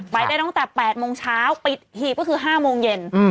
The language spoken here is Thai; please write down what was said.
ไปได้ตั้งแต่๘โมงเช้าปิดหีบก็คือ๕โมงเย็น